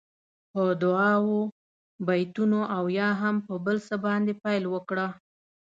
په دعاوو، بېتونو او یا هم په بل څه باندې پیل وکړه.